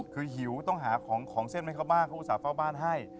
คือหิวต้องหาของเส้นให้เขาบ้างเขาอุตส่าห์เฝ้าบ้านให้